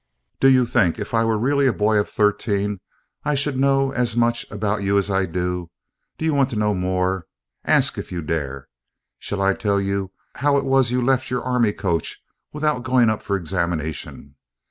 "Do you think if I were really a boy of thirteen I should know as much about you as I do? Do you want to know more? Ask, if you dare! Shall I tell you how it was you left your army coach without going up for examination?